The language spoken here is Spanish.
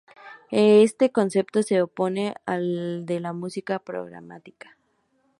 Este concepto se opone al de música programática.